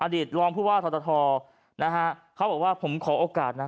ตรองผู้ว่าทตนะฮะเขาบอกว่าผมขอโอกาสนะ